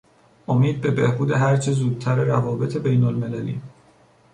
امید به بهبود هر چه زودتر روابط بین المللی